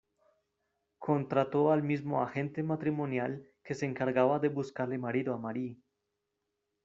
Contrató al mismo agente matrimonial que se encargaba de buscarle marido a Marie.